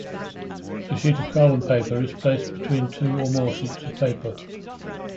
A sheet of carbon paper is placed between two or more sheets of paper.